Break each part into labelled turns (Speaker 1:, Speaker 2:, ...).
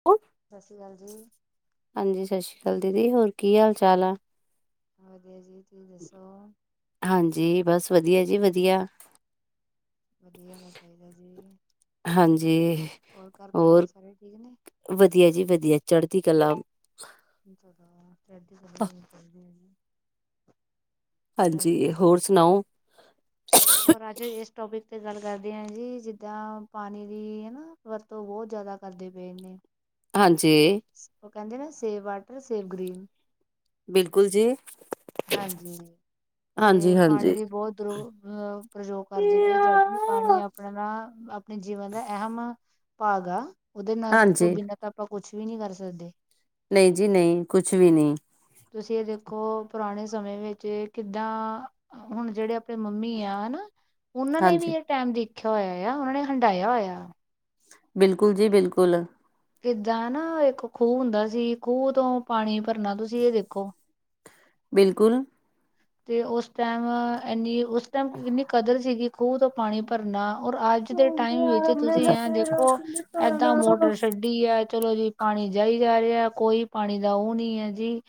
Speaker 1: [unintelligible]
Speaker 2: ਸਤਿ ਸ਼੍ਰੀ ਅਕਾਲ ਜੀ।
Speaker 1: ਹਾਂਜੀ ਸਾਸੀਕਾਲ ਦੀਦੀ ਹੋਰ ਕੀ ਹਾਲ-ਚਾਲ ਆ?
Speaker 2: ਵਧੀਆ ਜੀ ਤੁਸੀਂ ਦੱਸੋ?
Speaker 1: ਹਾਂਜੀ ਜੀ ਬਸ ਵਧੀਆ ਜੀ ਵਧੀਆ।
Speaker 2: ਵਧੀਆ ਹੋਣਾ ਚਾਹੀਦਾ ਜੀ
Speaker 1: ਹਾਂਜੀ
Speaker 2: ਹੋਰ ਘਰ ਪਰਿਵਾਰ ਸਾਰੇ ਠੀਕ ਨੇ।
Speaker 1: ਵਧੀਆ ਜੀ ਵਧੀਆ ਚੜ੍ਹਦੀ ਕਲਾ।
Speaker 2: [unintelligible]
Speaker 1: ਹਾਂਜੀ ਹੋਰ ਸੁਣਾਓ?
Speaker 2: ਹੋਰ ਅੱਜ ਇਸ ਟੋਪਿਕ ਤੇ ਗੱਲ ਕਰਦੇ ਆ ਜੀ ਜਿੱਦਾਂ ਪਾਣੀ ਦੀ ਹਨਾ। ਵਰਤੋਂ ਬਹੁਤ ਜ਼ਿਆਦਾ ਕਰਦੇ ਪਏ ਨੇ
Speaker 1: ਹਾਂਜੀ।
Speaker 2: ਉਹ ਕਹਿੰਦੇ ਨਾ ਸੇਵ ਵਾਟਰ, ਸੇਵ ਗ੍ਰੀਨ
Speaker 1: ਬਿਲਕੁਲ ਜੀ।
Speaker 2: ਹਾਂਜੀ।
Speaker 1: ਹਾਂਜੀ
Speaker 2: ਤੇ ਪਾਣੀ
Speaker 1: ਹਾਂਜੀ
Speaker 2: ਵੀ ਬਹੁਤ ਦੁਰੋ ਅਹ ਪ੍ਰਯੋਗ ਕਰਦੇ ਪਏ ਜਦ ਵੀ ਪਾਣੀ ਆਪਣਾ ਦਾ, ਆਪਣੇ ਜੀਵਨ ਦਾ ਅਹਿਮ ਭਾਗ ਆ ਉਹਦੇ ਨਾਲ ਤੋਂ
Speaker 1: ਹਾਂਜੀ
Speaker 2: ਬਿਨਾਂ ਆਪਾਂ ਕੁਛ ਵੀ ਨਹੀਂ ਕਰ ਸਕਦੇ।
Speaker 1: ਨਹੀਂ ਜੀ ਨਹੀਂ, ਕੁਛ ਵੀ ਨੀ।
Speaker 2: ਤੁਸੀਂ ਇਹ ਦੇਖੋ ਪੁਰਾਣੇ ਸਮੇਂ ਵਿੱਚ ਕਿੱਦਾਂ ਹੁਣ ਜਿਹੜੇ ਆਪਣੇ ਮੰਮੀ ਆ, ਹਨਾ। ਉਹਨਾਂ ਨੇ ਵੀ
Speaker 1: ਹਾਂਜੀ
Speaker 2: ਇਹ ਟਾਈਮ ਦੇਖਿਆ ਹੋਇਆ ਆ, ਉਹਨਾਂ ਨੇ ਹੰਡਾਇਆ ਹੋਇਆ।
Speaker 1: ਬਿਲਕੁਲ ਜੀ ਬਿਲਕੁਲ।
Speaker 2: ਕਿੱਦਾਂ ਨਾ ਇੱਕ ਖੂਹ ਹੁੰਦਾ ਸੀ, ਖੂਹ ਤੋਂ ਪਾਣੀ ਭਰਨਾ, ਤੁਸੀਂ ਇਹ ਦੇਖੋ
Speaker 1: ਬਿਲਕੁਲ।
Speaker 2: ਅਤੇ ਉਸ ਟਾਈਮ, ਇੰਨੀ ਉਸ ਟਾਈਮ ਇੰਨੀ ਕਦਰ ਸੀਗੀ ਖੂਹ ਤੋਂ ਪਾਣੀ ਭਰਨਾ ਔਰ ਅੱਜ ਦੇ ਟਾਈਮ ਵਿੱਚ ਤੁਸੀਂ ਆ ਦੇਖੋ ਏਦਾਂ ਮੋਟਰ ਈ ਐ, ਚਲੋ ਜੀ, ਪਾਣੀ ਜਾਈ ਜਾ ਰਿਹਾ, ਕੋਈ ਪਾਣੀ ਦਾ ਉਹ ਨੀ ਹੈ ਜੀ,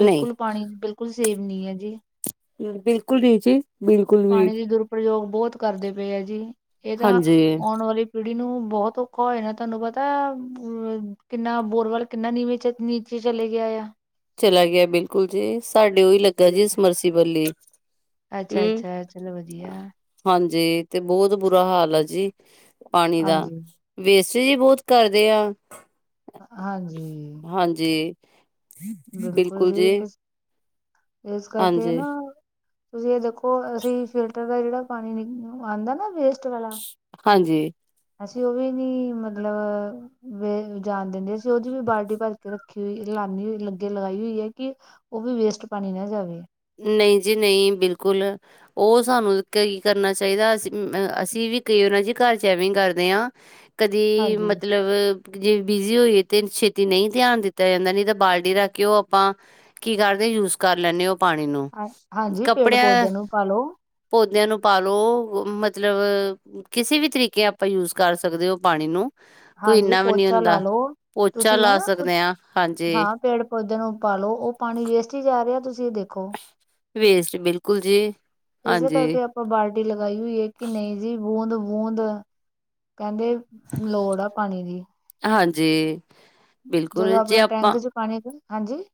Speaker 1: ਨਹੀਂ
Speaker 2: ਪਾਣੀ ਬਿਲਕੁਲ ਸੇਫ ਨਹੀਂ ਹੈ ਜੀ।
Speaker 1: ਬਿਲਕੁਲ ਵੀਰ ਜੀ। ਬਿਲਕੁਲ ਵੀ
Speaker 2: ਪਾਣੀ ਦੇ ਦੁਰਪ੍ਰਯੋਗ ਬਹੁਤ ਕਰਦੇ ਪਏ ਹੈ ਜੀ, ਇਹ ਤਾਂ
Speaker 1: ਹਾਂਜੀ
Speaker 2: ਆਉਣ ਵਾਲੀ ਪੀੜੀ ਨੂੰ ਬਹੁਤ ਔਖਾ ਹੋ ਜਾਣਾ, ਤੁਹਾਨੂੰ ਪਤਾ ਅ ਕਿੰਨਾ ਬੋਰਵੈਲ ਕਿੰਨਾ ਨੀਵੇਂ 'ਚ' ਚੇ ਚਲੇ ਗਿਆ ਏ ਆ।
Speaker 1: ਚੱਲਾ ਗਿਆ ਬਿਲਕੁਲ ਜੀ, ਸਾਡੇ ਉਹੀ ਲੱਗਾ ਸਮਰਸੀਬੱਲ ਈ
Speaker 2: ਅੱਛਾ-ਅੱਛਾ ਚਲੋ ਵਧੀਆ।
Speaker 1: ਹਾਂਜੀ ਤੇ ਬਹੁਤ ਬੁਰਾ ਹਾਲ ਆ ਜੀ ' [inaudible] ' ਪਾਣੀ ਦਾ।
Speaker 2: ਹਾਂਜੀ
Speaker 1: ਵੇਸਟੇਜ ਹੀ ਬਹੁਤ ਕਰਦੇ ਆ।
Speaker 2: ਹਾਂਜੀ।
Speaker 1: ਹਾਂਜੀ, ਬਿਲਕੁਲ
Speaker 2: ਜੀ
Speaker 1: ਜੀ‌।
Speaker 2: ਇਸ ਇਸ ਕਰਕੇ ਨਾ ਤੁਸੀਂ ਇਹ ਦੇਖੋ ਅਸੀਂ ਫਿਲਟਰ ਦਾ ਜਿਹੜਾ ਪਾਣੀ ਆਂਦਾ ਨਾ ਵਾਲਾ' '
Speaker 1: ਹਾਂਜੀ
Speaker 2: [inaudible] ਅਸੀਂ ਉਹ ਵੀ ਨੀ ਮਤਲਬ, ਵੇ ਜਾਣ ਦਿੰਦੇ ਅਸੀਂ ਉਹਦੀ ਵੀ ਬਾਲਟੀ ਭਰ ਕੇ ਰੱਖ ਰੱਖੀ ਹੋਈ ਲੀ ਹੋਈ ਲੱਗੇ ਲਗਾਈ ਹੋਈ ਹੈ ਕਿ, ਉਹ ਵੀ ਵੇਸਟ ਪਾਣੀ ਨਾ ਜਾਵੇ।
Speaker 1: ਨਹੀਂ ਜੀ ਨਹੀਂ, ਬਿਲਕੁਲ। ਉਹ ਸਾਨੂੰ ਕੀ ਕਰਨਾ ਚਾਹੀਦਾ, ਅਸੀਂ ਅ ਅਸੀਂ, ਵੀ ਕਈ ਉਹਨਾਂ ਜ ਘਰ 'ਚ' ਐਵੇਂ ਕਰਦੇ ਆਂ। ਕਦੀ
Speaker 2: ਹਾਂਜੀ
Speaker 1: ਮਤਲਬ ਜੇ ਬਿਜ਼ੀ ਹੋਈਏ ਤੇ ਛੇਤੀ ਨਹੀਂ ਧਿਆਨ ਦਿੱਤਾ ਜਾਂਦਾ ਨਹੀਂ ਤਾਂ ਬਾਲਟੀ ਰੱਖ ਕੇ ਉਹ ਆਪਾਂ ਕੀ ਕਰਦੇ ਆ ਯੂਜ ਕਰ ਲੈਂਦੇ ਉਹ ਪਾਣੀ ਨੂੰ '
Speaker 2: ਹਾਂ
Speaker 1: [inaudible] '
Speaker 2: ਹਾਂਜੀ ਪੇੜ
Speaker 1: ਕੱਪੜਿਆਂ
Speaker 2: ਪੌਦਿਆਂ ਨੂੰ ਪਾਲੋ
Speaker 1: ਪੌਦਿਆਂ ਨੂੰ ਪਾਲੋ ਮਤਲਬ ਕਿਸੇ ਵੀ ਤਰੀਕੇ ਆਪਾਂ ਯੂਜ ਕਰ ਸਕਦੇ ਉਹ ਪਾਣੀ ਨੂੰ ' [inaudible] ' ਕੋਈ
Speaker 2: ਹਾਂਜੀ
Speaker 1: ਇਨਾ ਵੀ ਨੀ
Speaker 2: ਪੋਚਾ ਲਾ
Speaker 1: ਹੁੰਦਾ
Speaker 2: ਲਓ
Speaker 1: ਪੋਚਾ
Speaker 2: ਤੁਸੀਂ
Speaker 1: ਲਾ
Speaker 2: ਹਨਾ ਕੁਛ
Speaker 1: ਸਕਦੇ ਆਂ, ਹਾਂਜੀ।
Speaker 2: ਹਾਂ ਪੇੜ ਪੌਦੇਿਆਂ ਨੂੰ ਪਾਲੋ, ਉਹ ਪਾਣੀ ਵੇਸਟ ਹੀ ਜਾ ਰਿਹਾ ਤੁਸੀਂ ਇਹ ਦੇਖੋ।
Speaker 1: ਵੇਸਟ, ਬਿਲਕੁਲ ਜੀ।
Speaker 2: ਇਸੇ
Speaker 1: ਹਾਂਜੀ
Speaker 2: ਕਰਕੇ ਆਪਾਂ ਬਾਲਟੀ ਲਗਾਈ ਹੋਈ ਹੈ ਕਿ ਨਹੀਂ ਜੀ ਬੂੰਦ-ਬੂੰਦ ' [inaudible] ' ਕਹਿੰਦੇ ਲੋੜ ਆ ਪਾਣੀ ਦੀ।
Speaker 1: ਹਾਂਜੀ
Speaker 2: ਜਦੋਂ
Speaker 1: ਬਿਲਕੁਲ ਜੇ
Speaker 2: ਆਪਣੇ
Speaker 1: ਆਪਾਂ
Speaker 2: ਟੈਂਕ 'ਚ ਪਾਣੀ ਹਾਂਜੀ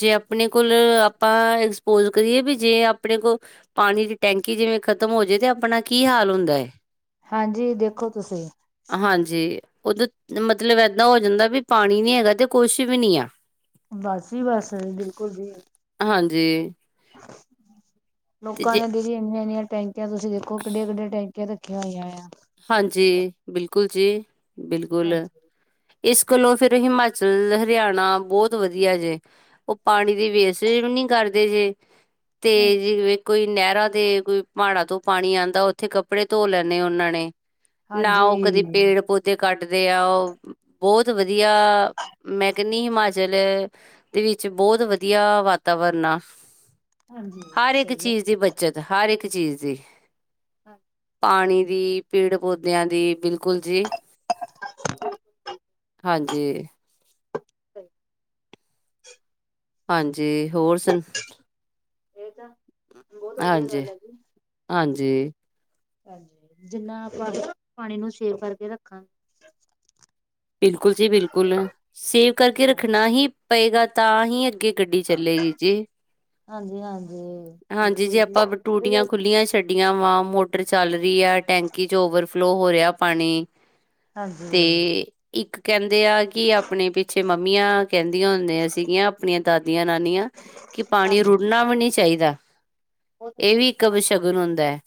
Speaker 1: ਜੇ ਆਪਣੇ ਕੋਲ ਆਪਾਂ ਐਕਸਪੋਜ ਕਰੀਏ ਵੀ ਜੇ ਆਪਣੇ ਕੋਲ ਪਾਣੀ ਦੀ ਟੈਂਕੀ ਜਿਵੇਂ ਖ਼ਤਮ ਹੋ ਜੇ। ਤੇ ਆਪਣਾ ਕੀ ਹਾਲ ਹੁੰਦਾ ਏ।
Speaker 2: ਹਾਂਜੀ ਦੇਖੋ ਤੁਸੀਂ।
Speaker 1: ਹਾਂਜੀ ਉਦੋਂ ਮਤਲਬ ਇੱਦਾਂ ਹੋ ਜਾਂਦਾ ਵੀ ਪਾਣੀ ਨੀ ਹੈਗਾ ਤੇ ਕੁਛ ਵੀ ਨਹੀਂ ਆ।
Speaker 2: ਬਸ ਜੀ ਬਸ ਬਿਲਕੁਲ ਜੀ।
Speaker 1: ਹਾਂਜੀ
Speaker 2: [unintelligible]
Speaker 1: ਤੇ
Speaker 2: ਲੋਕਾਂ
Speaker 1: ਜੇ
Speaker 2: ਦੀਆਂ ਦੀਦੀ ਇੰਨੀਆਂ- ਇੰਨੀਆਂ ਟੈਂਕੀਆਂ ਤੁਸੀਂ ਦੇਖੋ ਕਿੱਡੀਆ- ਕਿੱਡੀਆਂ ਟੈਂਕ ਰੱਖੀਆਂ ਹੋਈਆਂ ਆ।
Speaker 1: ਹਾਂਜੀ ਬਿਲਕੁਲ ਜੀ ਬਿਲਕੁਲ।
Speaker 2: ਹਾਂਜੀ
Speaker 1: ਇਸ ਗੱਲੋਂ ਫਿਰ ਹਿਮਾਚਲ, ਹਰਿਆਣਾ ਬਹੁਤ ਵਧੀਆ ਜੇ। ਉਹ ਪਾਣੀ ਦੀ ਵੇਸਟਜ ਵੀ ਨੀ ਕਰਦੇ ਜੇ। ਤੇ
Speaker 2: ਹਮ,
Speaker 1: ਜਿਵੇ ਕੋਈ ਨਹਿਰਾਂ ਤੇ ਕੋਈ ਪਹਾੜਾਂ ਤੋਂ ਪਾਣੀ ਆਦਾ ਉੱਥੇ ਕੱਪੜੇ ਧੋ ਲੈਣੇ ਉਹਨਾਂ ਨੇ ਨਾ ਉਹ ਕਦੀ
Speaker 2: ਹਾਂਜੀ
Speaker 1: ਪੇੜ ਪੌਦੇ ਕੱਟਦੇ ਆ। ਉਹ ਬਹੁਤ ਵਧੀਆ। ਮੈਂ ਕਹਿੰਨੀ ਆ ਹਿਮਾਚਲ ਦੇ ਵਿੱਚ ਬਹੁਤ ਵਧੀਆ ਵਾਤਾਵਰਨ ਆ।
Speaker 2: ਹਾਂਜੀ
Speaker 1: ਹਰ ਇੱਕ
Speaker 2: ਸਹੀ ਗੱਲ
Speaker 1: ਚੀਜ਼ ਦੀ ਬੱਚਤ ਹਰ ਇੱਕ ਚੀਜ਼ ਦੀ
Speaker 2: ਹਾਂ
Speaker 1: ਪਾਣੀ ਦੀ ਪੀੜ ਪੌਦਿਆਂ ਦੀ ਬਿਲਕੁਲ ਜੀ
Speaker 2: [unintelligible]
Speaker 1: ਹਾਂਜੀ।
Speaker 2: [unintelligible]
Speaker 1: ਹਾਂਜੀ ਹੋਰ ਸੁਣ
Speaker 2: ਇਹ ਤਾਂ ਬਹੁਤ ਵਧੀਆ
Speaker 1: ਹਾਂਜੀ
Speaker 2: ਗੱਲ ਹੈ ਜੀ।
Speaker 1: ਹਾਂਜੀ
Speaker 2: ਹਾਂਜੀ ਜਿੰਨਾ ਆਪਾਂ ਪਾਣੀ ਨੂੰ ਸੇਵ ਕਰਕੇ ਰੱਖਾਂ ਗੇ।
Speaker 1: ਬਿਲਕੁਲ ਜੀ ਬਿਲਕੁਲ ਸੇਵ ਕਰਕੇ
Speaker 2: ਹਾਂਜੀ
Speaker 1: ਰੱਖਣਾ ਹੀ ਪਏਗਾ ਤਾਂ ਹੀ ਅੱਗੇ ਗੱਡੀ ਚੱਲੇਗੀ ਜੀ
Speaker 2: ਹਾਂਜੀ
Speaker 1: ਹਾਂਜੀ ਜੀ
Speaker 2: ਬਿਲਕੁਲ
Speaker 1: ਜੇ ਆਪਾਂ ਵ ਟੂਟੀਆਂ
Speaker 2: ਹਾਂਜੀ।
Speaker 1: ਖੁੱਲੀਆਂ ਛੱਡ ਗੀਆਂ ਵਾ ਮੋਟਰ ਚੱਲ ਰਹੀ ਆ ਟੈਂਕੀ 'ਚ ਓਵਰਫਲੋ ਹੋ ਰਿਹਾ ਪਾਣੀ ਤੇ ਇੱਕ ਕਹਿੰਦੇ ਆ ਕਿ ਆਪਣੇ ਪਿੱਛੇ ਮੰਮੀਆਂ ਕਹਿੰਦੀਆਂ ਹੁੰਦੀਆਂ ਸੀਗੀਆਂ ਆਪਣੀਆਂ ਦਾਦੀਆਂ ਨਾਨੀਆਂ ਕਿ ਪਾਣੀ
Speaker 2: ਹਾਂਜੀ
Speaker 1: ਰੁੜਨਾ ਵਾ ਨੀ ਚਾਹੀਦਾ।
Speaker 2: ਉਹ
Speaker 1: ਇਹ
Speaker 2: ਤਾਂ
Speaker 1: ਵੀ ਇੱਕ ਅਬਸ਼ਗੁਨ ਹੁੰਦਾ ਐ।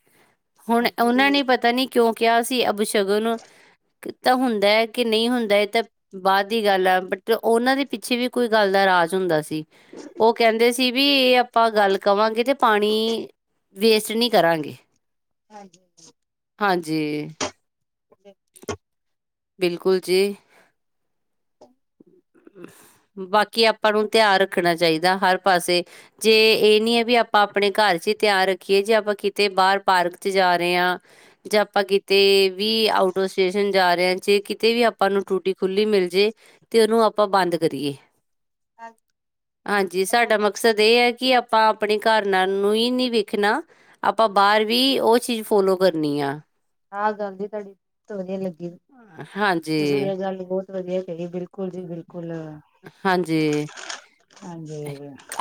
Speaker 1: ਹੁਣ ਉਹਨਾਂ
Speaker 2: ਹਾਂਜੀ
Speaker 1: ਨੇ ਪਤਾ ਨੀ ਕਿਉਂ ਕਿਹਾ ਸੀ ਅਬਸ਼ ਗਨ ਤਾਂ ਹੁੰਦਾ ਹੈ ਕਿ ਨਹੀਂ ਹੁੰਦਾ ਇਹ ਤਾਂ ਬਾਅਦ ਦੀ ਗੱਲ ਆ ਬਟ ਉਹਨਾਂ ਦੇ ਪਿੱਛੇ ਵੀ ਕੋਈ ਗੱਲ ਦਾ ਰਾਜ ਹੁੰਦਾ ਸੀ। ਉਹ ਕਹਿੰਦੇ ਸੀ ਵੀ ਇਹ ਆਪਾਂ ਗੱਲ ਕਵਾਂਗੇ ਤੇ ਪਾਣੀ ਵੇਸਟ ਨ੍ਹੀਂ ਕਰਾਂਗਾ।
Speaker 2: ਹਾਂਜੀ ਹਾਂਜੀ
Speaker 1: ਹਾਂਜੀ
Speaker 2: [inaudible]
Speaker 1: ਬਿਲਕੁਲ ਜੀ। ਬਾਕੀ ਆਪਾਂ ਨੂੰ ਧਿਆਨ ਰੱਖਣਾ ਚਾਹੀਦਾ ਹਰ ਪਾਸੇ ਜੇ ਇਹ ਨੀ ਆ ਵੀ ਆਪਾਂ ਆਪਣੇ ਘਰ 'ਚ ਹੀ ਧਿਆਨ ਰੱਖੀਏ ਜੇ ਆਪਾਂ ਕਿਤੇ ਬਾਹਰ ਪਾਰਕ 'ਚ ਜਾ ਰਹੇ ਆ। ਜੇ ਆਪਾਂ ਕਿਤੇ ਵੀ ਆਊਟ ਅਫੋ ਸਟੇਸ਼ਨ ਜਾ ਰਹੇ। ਜੇ ਕਿਤੇ ਵੀ ਆਪਾਂ ਨੂੰ ਟੂਟੀ ਖੁੱਲੀ ਮਿਲ ਜੇ ਤੇ ਉਹਨੂੰ ਆਪਾਂ ਬੰਦ ਕਰੀਏ
Speaker 2: ਆ
Speaker 1: ਹਾਂਜੀ ਸਾਡਾ ਮਕਸਦ ਇਹ ਏ ਕਿ ਆਪਾਂ ਆਪਣੇ ਘਰ ਨਾਲ਼ ਨੂੰ ਈ ਨੀ ਵੇਖਣਾ ਆਪਾਂ ਬਾਹਰ ਵੀ ਉਹ ਚੀਜ਼ ਫੋਲੋ ਕਰਨੀ ਆ
Speaker 2: ਆਹ ਗੱਲ ਦੀ ਤੁਹਾਡੀ ਬਹੁਤ ਵਧੀਆਂ ਲੱਗੀ
Speaker 1: ਹਾਂਜੀ,
Speaker 2: [unintelligible] ਗੱਲ ਬਹੁਤ ਵਧੀਆਂ ਜੀ ਬਿਲਕੁਲ ਜੀ ਬਿਲਕੁਲ
Speaker 1: ਹਾਂਜੀ
Speaker 2: ਹਾਂਜੀ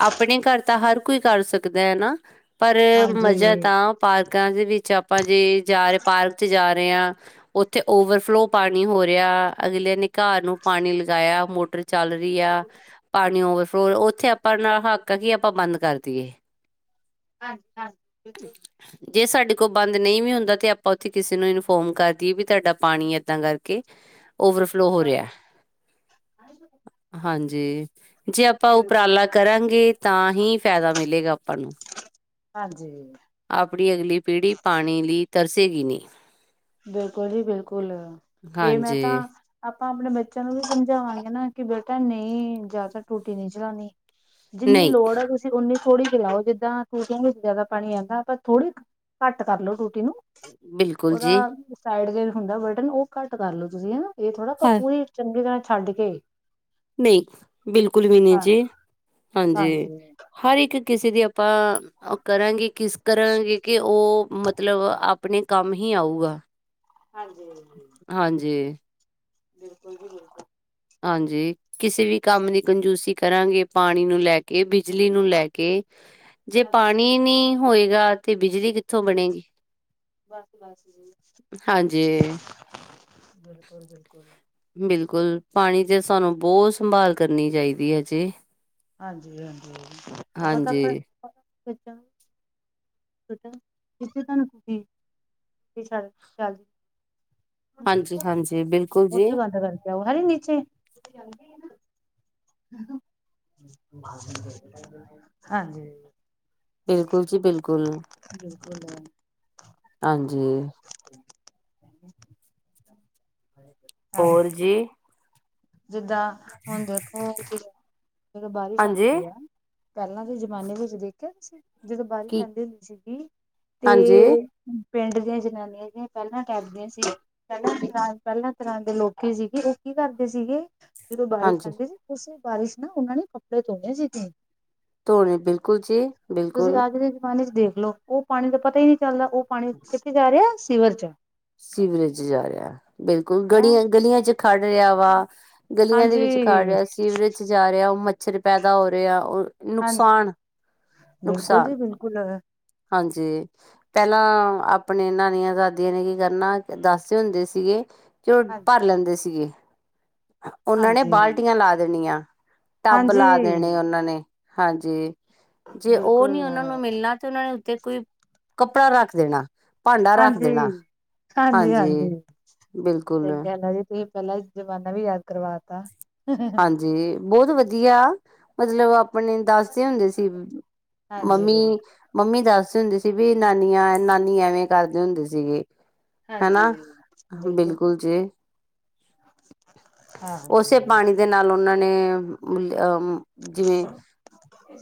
Speaker 1: ਆਪਣੇ ਘਰ ਤਾਂ ਹਰ ਕੋਈ ਕਰ ਸਕਦਾ ਹੈ ਨਾ ਪਰ
Speaker 2: ਹਾਂਜੀ।
Speaker 1: ਮਜ਼ਾ
Speaker 2: ਹਾਂਜੀ
Speaker 1: ਤਾਂ ਪਾਰਕਾਂ ਦੇ ਵਿੱਚ ਆਪ ਆਪਾਂ ਜੇ ਜਾ ਰਹੇ ਪਾਰਕ ਚ ਜਾ ਰਹੇ ਆ ਉੱਥੇ ਓਵਰਫਲੋ ਪਾਣੀ ਹੋ ਰਿਹਾ ਅਗਲਿਆਂ ਨੇ ਘਾਹ ਨੂੰ ਪਾਣੀ ਲਗਾਇਆ ਮੋਟਰ ਚੱਲ ਰਹੀ ਆ ਪਾਣੀ ਓਵਰਫਲੋ ਉੱਥੇ ਆਪਾਂ ਨਾਲ਼ ਹੱਕ ਕੀ ਆਪਾਂ ਬੰਦ ਕਰ ਦੀਏ
Speaker 2: ਹਾਂਜੀ- ਹਾਂਜੀ ਬਿਲਕੁਲ।
Speaker 1: ਜੇ ਸਾਡੇ ਕੋ ਬੰਦ ਨਹੀਂ ਵੀ ਹੁੰਦਾ ਤੇ ਆਪਾਂ ਉੱਥੇ ਕਿਸੇ ਨੂੰ ਇਨਫੋਮ ਕਰ ਦੀਏ ਵੀ ਤੁਹਾਡਾ ਪਾਣੀ ਏਦਾਂ ਕਰਕੇ ਓਵਰ
Speaker 2: ਹਾਂ
Speaker 1: ਹਾਂਜੀ। ਜੇ ਆਪਾਂ
Speaker 2: ਬਿਲਕੁਲ
Speaker 1: ਉਪਰਾਲਾ ਕਰਾਂਗੇ ਤਾਂ ਹੀ ਫ਼ਾਇਦਾ ਮਿਲੇਗਾ ਆਪਾਂ ਨੂੰ
Speaker 2: ਹਾਂਜੀ।
Speaker 1: ਆਪੜੀ ਅਗਲੀ ਪੀੜ੍ਹੀ ਪਾਣੀ ਲਈ ਤਰਸੇਗੀ ਨੀ
Speaker 2: ਬਿਲਕੁਲ ਜੀ ਬਿਲਕੁਲ ਇਹ ਮੈਂ ਤਾਂ
Speaker 1: ਹਾਂਜੀ
Speaker 2: ਆਪਾਂ ਆਪਣੇ ਬੱਚਿਆਂ ਨੂੰ ਵੀ ਸਮਝਾਵਾਂਗੇ ਨਾ ਕਿ ਬੇਟਾ ਨਹੀਂ ਜ਼ਿਆਦਾਤਰ ਟੂਟੀ ਨਹੀਂ ਚਲਾਣੀ। ਜਿੰਨੀ
Speaker 1: ਨਹੀਂ
Speaker 2: ਲੋੜ ਆ ਤੁਸੀਂ। ਸੀ ਉੱਨੀ ਥੋੜੀ ਚਲਾਓ ਜਿੱਦਾਂ ਟੂਟੀਆਂ ਵਿੱਚ ਜ਼ਿਆਦਾ ਪਾਣੀ ਆਹਂਦਾ ਪਰ ਥੋੜ੍ਹੀ ਘੱਟ ਕਰ ਲੋ ਟੂਟੀ ਨੂੰ।
Speaker 1: ਬਿਲਕੁਲ
Speaker 2: ਉਹਦਾ
Speaker 1: ਜੀ
Speaker 2: ਸਾਈਡ ਜਿ ਹੁੰਦਾ ਬਟਨ ਉਹ ਘੱਟ ਕਰ ਲੋ ਤੁਸੀਂ ਹਨਾ, ਇਹ ਥੋੜਾ
Speaker 1: ਹਾਂ
Speaker 2: ਪੂਰੀ ਚੰਗੀ ਤਰ੍ਹਾਂ ਛੱਡ ਕੇ।
Speaker 1: ਨਹੀਂ ਬਿਲਕੁਲ ਵੀ ਨਹੀਂ
Speaker 2: ਹਾਂ
Speaker 1: ਜੀ ਹਾਂਜੀ, ਹਰ ਇੱਕ ਕਿਸੇ ਦੀ ਆਪ। ਆਪਾਂ ਕਰਾਂਗੇ ਕਿਸ ਕਰਾਂਗੇ ਕਿ ਉਹ ਮ ਮਤਲਬ ਆਪਣੇ ਕੰਮ ਹੀ ਆਊਗਾ।
Speaker 2: ਹਾਂਜੀ- ਹਾਂਜੀ।
Speaker 1: ਹਾਂਜੀ।
Speaker 2: ਬਿਲਕੁਲ ਜੀ ਬਿਲਕੁਲ।
Speaker 1: ਹਾਂਜੀ। ਕਿਸੇ ਵੀ ਕੰਮ ਦੀ ਕੰਜੂਸੀ ਕਰਾਂਗੇ ਪਾਣੀ ਨੂੰ ਲੈ ਕੇ ਬਿਜਲੀ ਨੂੰ ਲੈ ਕੇ। ਜੇ
Speaker 2: ਹਾਂਜੀ
Speaker 1: ਪਾਣੀ ਨੀ ਹੋਏਗਾ ਤੇ ਬਿਜਲੀ ਕਿੱਥੋਂ। ਕਿੱਥੋਂ ਬਣੇਗੀ,
Speaker 2: ਬਸ ਬਸ ਜੀ
Speaker 1: ਹਾਂਜੀ।
Speaker 2: ਬਿਲਕੁਲ -ਬਿਲਕੁਲ।
Speaker 1: ਬਿਲਕੁਲ ਪਾਣੀ ਚ ਸਾਨੂੰ ਬਹੁਤ ਸੰਭਾਲ ਕਰਨੀ ਚਾਹੀਦੀ ਏ ਜੀ।
Speaker 2: ਹਾਂਜੀ।
Speaker 1: ਹਾਂਜੀ,
Speaker 2: [unintelligible] ਕਿੱਥੇ ਤੁਹਾਨੂੰ ਡੀ [unintelligible] ਚੱਲ ਜ
Speaker 1: ਹਾਂਜੀ- ਹਾਂਜੀ ਬਿਲਕੁਲ ਜੀ।
Speaker 2: [unintelligible] ਹੀ ਨੀਚੇ [unintelligible] [unintelligible] ਹਾਂਜੀ।
Speaker 1: ਬਿਲਕੁਲ -ਜੀ ਬਿਲਕੁਲ
Speaker 2: ਬਿਲਕੁਲ
Speaker 1: ਹਾਂਜੀ।
Speaker 2: [inaudible]
Speaker 1: ਹੋਰ ਜੀ।
Speaker 2: ਜਿੱਦਾਂ ਹੁਣ ਦੇਖੋ ਤੁਸੀਂ ਜਦੋਂ ਬਾਰਿਸ਼
Speaker 1: ਹਾਂਜੀ।
Speaker 2: ਆਦੀ ਆ। ਪਹਿਲਾਂ ਦੇ ਜ਼ਮਾਨੇ ਵਿੱਚ ਦੇਖਿਆ ਸੀ ਜਦੋਂ ਬਾਰਿਸ਼
Speaker 1: ਕੀ,
Speaker 2: ਆਦੀ ਹੁੰਦੀ ਸੀਗੀ ਤੇ
Speaker 1: ਹਾਂਜੀ-ਹਾਂਜੀ,
Speaker 2: ਪਿੰਡ ਦੀਆਂ ਜਨਾਨੀਆਂ ਜੀਆ ਪਹਿਲਾਂ ਟੱਪਦੀਆਂ ਸੀ। ਪਹਿਲਾਂ [unintelligible] ਪਹਿਲਾਂ ਤਰ੍ਹਾਂ ਦੇ ਲੋਕੀ ਸੀਗੇ ਉਹ ਕੀ ਕਰਦੇ ਉਹ ਸੀਗੇ ਜਦੋਂ ਬਾਰਿਸ਼ ਆਦੀ ਸੀ ਉਸੇ ਬਾਰਿਸ਼ ਨਾਲ ਉਹਨਾਂ ਨੇ ਕੱਪੜੇ ਧੋਣੇ ਸੀਗੇ।
Speaker 1: ਧੋਣੇ ਬਿਲਕੁਲ ਜੀ,
Speaker 2: [inaudible] ਤੁਸੀਂ
Speaker 1: ਬਿਲਕੁਲ।
Speaker 2: ਅੱਜ ਦੇ ਜ਼ਮਾਨੇ ਚ ਦੇਖ ਲਓ। ਉਹ ਪਾਣੀ ਦਾ ਪਤਾ ਹੀ ਨਹੀਂ ਚੱਲਦਾ ਉਹ ਪਾਣੀ ਕਿੱਥੇ ਜਾ ਰਿਹਾ ਸਿਵਰ ਚ।
Speaker 1: ਸੀਵਰੇਜ ਚ ਜਾ ਰਿਹਾ ਬਿਲਕੁਲ
Speaker 2: ਹੈਂ
Speaker 1: ਗੜੀਆਂ -ਗਲੀਆਂ ਚ ਖੜ ਰਿਹਾ ਵਾ ਗਲੀਆਂ ਦੇ
Speaker 2: ਹਾਂਜੀ
Speaker 1: ਵਿੱਚ ਖੜ ਰਿਹਾ ਸੀਵਰੇਜ ਜਾ ਰਿਹਾ ਉਹ ਮੱਛਰ ਪੈਦਾ ਹੋ ਰਿਹਾ ਉਹ
Speaker 2: ਹਾਂ
Speaker 1: ਨੁਕਸਾਨ [inaudible]
Speaker 2: ਬਿਲਕੁਲ
Speaker 1: ਨੁਕਸਾਨ।
Speaker 2: ਜੀ ਬਿਲਕੁਲ
Speaker 1: ਹਾਂਜੀ ਪਹਿਲਾਂ ਆਪਣੇ ਨਾਨੀਆਂ ਦਾਦੀਆਂ ਨੇ ਕਰਨਾ ਦੱਸਦੇ ਹੁੰਦੇ ਸੀਗੇ ਕਿ, ਉਹ
Speaker 2: ਹਾਂਜੀ
Speaker 1: ਭਰ ਲੈਂਦੇ ਸੀਗੇ। ਉਹਨਾਂ ਨੇ
Speaker 2: ਹਾਂਜੀ
Speaker 1: ਬਾਲਟੀਆਂ ਲਾ ਦੇਣੀਆਂ ਟੱਬ
Speaker 2: ਹਾਂਜੀ
Speaker 1: ਲਾ ਦੇਣੇ ਉਹਨਾਂ ਨੇ ਹਾਂਜੀ। ਜੇ ਉਹ ਨੀ
Speaker 2: ਬਿਲਕੁਲ
Speaker 1: ਉਹਨਾਂ ਨੂੰ ਮਿਲਣਾ ਤੇ ਉਹਨਾਂ ਨੇ ਉੱਤੇ ਕੋਈ ਕੱਪੜਾ ਰੱਖ ਦੇਣਾ। ਭਾਂਡਾ ਰੱਖ
Speaker 2: ਹਾਂਜੀ
Speaker 1: ਦੇਣਾ, ਹਾਂਜੀ ਬਿਲਕੁਲ
Speaker 2: ਪਏ ਜੀ ਤੁਸੀਂ ਪਹਿਲਾਂ ਜ਼ਮਾਨਾ ਵੀ ਯਾਦ ਕਰਵਾ ਤਾਂ [unintelligible]
Speaker 1: ਜੀ ਬਹੁਤ ਵਧੀਆ। ਮਤਲਬ ਆਪਣੇ ਦੱਸਦੇ ਹੁੰਦੇ ਸੀ
Speaker 2: ਹਾਂਜੀ
Speaker 1: ਮੰਮੀ ਮੰਮੀ ਦੱਸਦੇ ਹੁੰਦੀ ਸੀ ਵੀ ਨਾਨੀਆਂ ਨਾਨੀ ਐਵੇਂ ਕਰਦੇ ਹੁੰਦੇ ਸੀਗੇ। ਹਨਾ,
Speaker 2: ਹਾਂਜੀ
Speaker 1: ਬਿਲਕੁਲ ਜੀ।
Speaker 2: [inaudible] ਹਾਂ ਹਾਂਜੀ
Speaker 1: ਉਸੇ ਪਾਣੀ ਦੇ ਨਾਲ ਉਹਨਾਂ ਨੇ ਮੁਲਿਆ ਮ ਆ ਜਿਵੇਂ,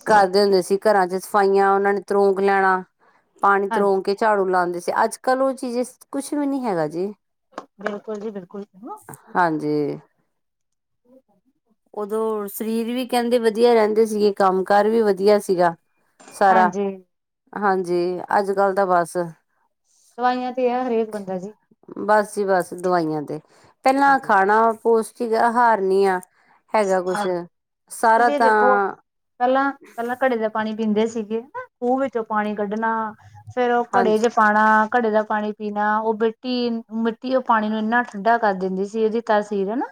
Speaker 1: ਕਰਦੇ ਹੁੰਦੇ ਸੀ ਘਰਾਂ ਚ ਸਫਾਈਆਂ ਉਹਨਾਂ ਨੇ ਤਰੋਂਕ ਲੈਣਾ। ਪਾਣੀ
Speaker 2: ਹਾਂਜੀ
Speaker 1: ਤਰੋਂਕ ਕੇ ਝਾੜੂ ਲਾਉਂਦੇ ਸੀ ਅੱਜ ਕੱਲ ਉਹ ਚੀਜ਼ ਕੁਛ ਵੀ ਨੀ ਹੈਗਾ ਜੀ।
Speaker 2: ਬਿਲਕੁਲ ਜੀ ਬਿਲਕੁਲ ਜੀ ਹਨਾ।
Speaker 1: ਹਾਂਜੀ।
Speaker 2: [inaudible]
Speaker 1: ਉਦੋਂ ਸਰੀਰ ਵੀ ਕਹਿੰਦੇ ਵਧੀਆ ਰਹਿੰਦੇ ਸੀਗੇ ਕੰਮ ਕਾਰ ਵੀ ਵਧੀਆ ਸੀਗਾ। ਸਾਰਾ,
Speaker 2: ਹਾਂਜੀ
Speaker 1: ਹਾਂਜੀ ਅੱਜ ਕੱਲ ਤਾਂ ਬਸ
Speaker 2: ਦਵਾਈਆਂ ਤੇ ਹੈ ਹਰੇਕ ਬੰਦਾ ਜੀ
Speaker 1: ਬਸ ਜੀ ਬਸ ਦਵਾਈਆਂ ਤੇ, ਪਹਿਲਾਂ
Speaker 2: ਹਾਂਜੀ
Speaker 1: ਖਾਣਾ ਪੋਸ਼ਟਿਕ ਆਹਾਰ ਨੀ ਆ। ਹੈਗਾ ਕੁਛ,
Speaker 2: ਹਾਂਜੀ
Speaker 1: ਸਾਰਾ
Speaker 2: ਤੁਸੀਂ ਇਹ
Speaker 1: ਤਾਂ
Speaker 2: ਦੇਖੋ ਪਹਿਲਾਂ, ਪਹਿਲਾਂ ਘੜੇ ਦਾ ਪਾਣੀ ਪੀਂਦੇ ਸੀਗੇ, ਹ ਖੂਹ ਵਿੱਚੋਂ ਪਾਣੀ ਕੱਢਣਾ। ਫੇਰ ਉਹ ਘੜੇ
Speaker 1: ਹਾਂਜੀ
Speaker 2: ਜ ਪਾਣਾ, ਘੜੇ ਦਾ ਪਾਣੀ ਪੀਣਾ ਉਹ ਮਿੱਟੀ, ਮਿੱਟੀ ਉਹ ਪਾਣੀ ਨੂੰ ਇੰਨਾ ਠੰਢਾ ਕਰ ਦਿੰਦੀ ਸੀ ਇਹਦੀ ਤਾ ਸੀਰ ਹਨਾ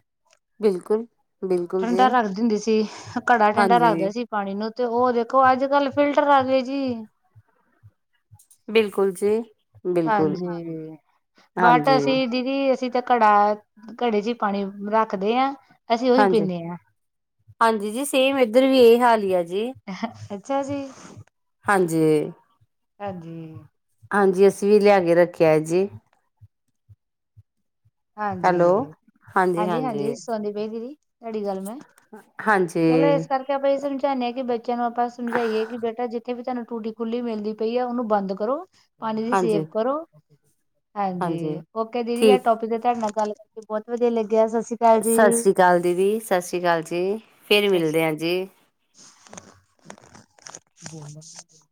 Speaker 1: ਬਿਲਕੁਲ ਬਿਲਕੁਲ ਜੀ
Speaker 2: ਠੰਡਾ ਰੱਖਦੀ ਹੁੰਦੀ ਸੀ। ਘੜਾ ਠੰਡਾ ਰੱਖਦਾ
Speaker 1: ਹਾਂਜੀ
Speaker 2: ਸੀ। ਪਾਣੀ ਨੂੰ ਤੇ ਉਹ ਦੇਖੋ ਅੱਜ ਕੱਲ ਫਿਲਟਰ ਆਗੇ ਜੀ।
Speaker 1: ਬਿਲਕੁਲ ਜੀ। ਬਿਲਕੁਲ
Speaker 2: ਹਾਂਜੀ, ਬਟ
Speaker 1: ਹਾਂਜੀ
Speaker 2: ਅਸੀਂ ਦੀ ਵੀ ਅਸੀਂ ਤਾਂ ਘੜਾ, ਘੜੇ ਚ ਹੀ ਪਾਣੀ ਰੱਖਦੇ ਆ ਅਸੀਂ ਉਹੀ
Speaker 1: ਹਾਂਜੀ
Speaker 2: ਪੀਂਦੇ ਆ।
Speaker 1: ਹਾਂਜੀ ਜੀ ਸੇਮ ਇੱਧਰ ਵੀ ਇਹ ਹਾਲ ਹੀ ਆ ਜੀ।
Speaker 2: ਅੱਛਾ ਜੀ।
Speaker 1: ਹਾਂਜੀ।
Speaker 2: ਹੇਜੀ।
Speaker 1: ਹਾਂਜੀ, ਅਸੀਂ ਵੀ ਲਿਆ ਕੇ ਰੱਖਿਆ ਏ ਜੀ। ਹੈਲੋ
Speaker 2: ਹਾਂਜੀ। ਹਾਂਜੀ- ਹਾਂਜੀ ਸੁਣਦੀ ਪਈ ਦੀਦੀ, ਤੁਹਾਡੀ ਗੱਲ ਮੈਂ, ਚਲੋ
Speaker 1: ਹਾਂਜੀ
Speaker 2: ਇਸ ਕਰਕੇ ਆਪਾਂ ਇਹ ਸਮਝਾਣੇ ਹਾਂ ਕਿ ਬੱਚਿਆਂ ਨੂੰ ਆਪਾਂ ਸਮਝਾਈਏ ਕਿ ਬੇਟਾ ਜਿੱ- ਥੇ ਵੀ ਤਹਾਨੂੰ ਟੂਟੀ ਖੁੱਲੀ ਮਿਲਦੀ ਪਈ ਆ ਉਹਨੂੰ ਬੰਦ ਕਰੋ, ਪਾਣੀ ਦੀ ਸੇਵ
Speaker 1: ਹਾਂਜੀ
Speaker 2: ਕਰੋ। ਹਾਂਜੀ, ਓਕੇ ਦੀਦੀ ਆ
Speaker 1: ਠੀਕ
Speaker 2: ਟੋਪਿਕ ਦੇ ਤੁਹਾਡੇ ਨਾਲ ਗੱਲ ਕਰਕੇ ਬਹੁਤ ਵਧੀਆ ਲੱਗਿਆ ਸਸਰੀ ਕਾਲ ਜੀ।
Speaker 1: ਚੱਲ ਦੀਦੀ ਸਤਿ ਸ਼ਸੀ‌ ਕਾਲ ਜੀ, ਫੇਰ
Speaker 2: ਸਤਿ
Speaker 1: ਮਿਲਦੇ
Speaker 2: ਸ਼੍ਰੀ
Speaker 1: ਆ ਜੀ।
Speaker 2: [unintelligible]